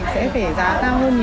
thì sẽ phải giá cao hơn nhiều